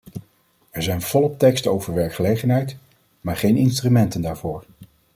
Er zijn volop teksten over werkgelegenheid, maar geen instrumenten daarvoor.